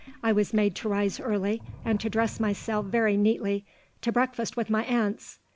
I was made to rise early, and to dress myself very neatly, to breakfast with my aunts.